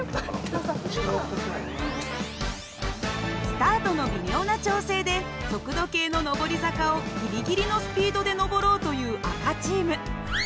スタートの微妙な調整で速度計の上り坂をギリギリのスピードで上ろうという赤チーム。